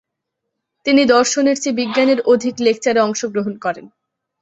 তিনি দর্শনের চেয়ে বিজ্ঞানের অধিক লেকচারে অংশগ্রহণ করেন।